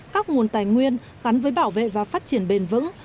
các nguồn tài nguyên gắn với bảo vệ và phát triển bền vững